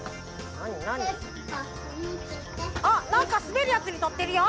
あなんかすべるやつにのってるよ。